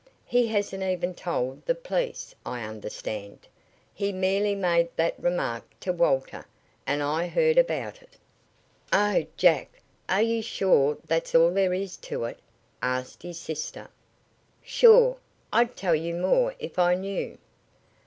He hasn't even told the police, I understand. He merely made that remark to Walter, and I heard about it." "Oh, Jack, are you sure that's all there is to it?" asked his sister. "Sure. I'd tell you more if I knew."